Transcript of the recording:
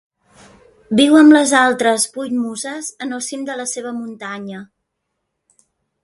Viu amb les altres vuit muses en el cim de la seva muntanya.